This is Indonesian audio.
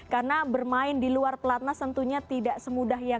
karena bermain di luar pelatnah tentunya tidak semudah